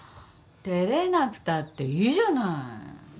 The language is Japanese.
照れなくたっていいじゃないねえ。